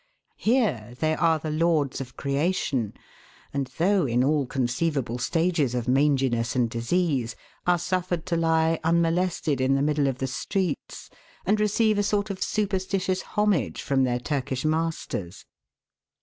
Here they are the lords of creation, and though in all conceivable stages of manginess and disease, are suffered to lie unmolested in the middle of the streets, and receive a sort of superstitious homage from their Turkish masters.